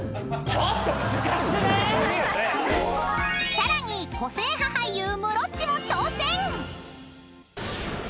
ちょっと難しくない⁉［さらに個性派俳優ムロっちも挑戦！］